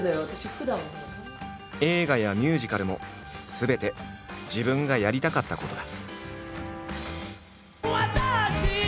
映画やミュージカルもすべて自分がやりたかったことだ。